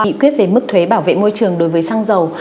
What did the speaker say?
nghị quyết về mức thuế bảo vệ môi trường đối với xăng dầu